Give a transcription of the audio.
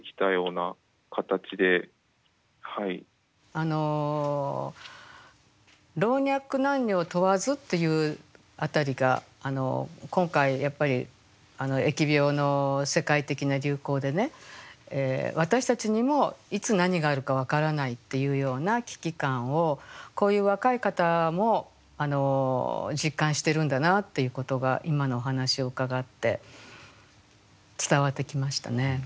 あの老若男女問わずっていう辺りが今回やっぱり疫病の世界的な流行でねっていうような危機感をこういう若い方も実感してるんだなっていうことが今のお話を伺って伝わってきましたね。